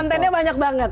kontennya banyak banget